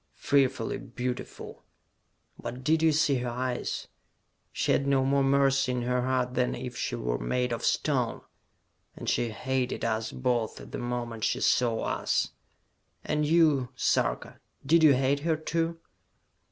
"Fearfully beautiful! But did you see her eyes? She had no more mercy in her heart than if she were made of stone! And she hated us both the moment she saw us!" "And you, Sarka did you hate her, too?"